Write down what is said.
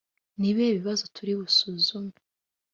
ni ibihe bibazo turi busuzume